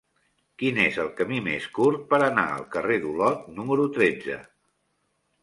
Quin és el camí més curt per anar al carrer d'Olot número tretze?